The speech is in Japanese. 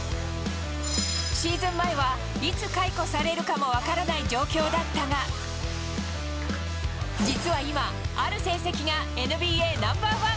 シーズン前は、いつ解雇されるかも分からない状況だったが、実は今、ある成績がＮＢＡナンバーワン。